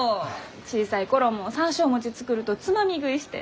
小さい頃も山椒餅作るとつまみ食いして。